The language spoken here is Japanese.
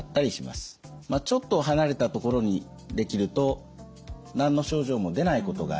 まあちょっと離れたところにできると何の症状も出ないことがあります。